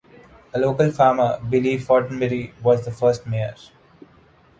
A local farmer, Billy Fortenberry, was the first mayor.